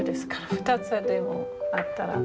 ２つでもあったら。